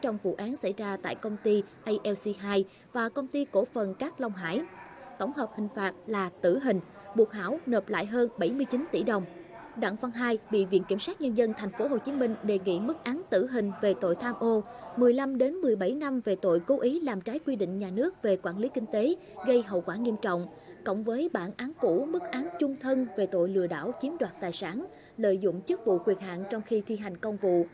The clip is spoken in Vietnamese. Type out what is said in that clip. một mươi ba năm tù về tội lợi dụng chức vụ quyền hạng trong khi thi hành công vụ